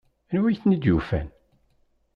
Anwi ay tent-id-yufan?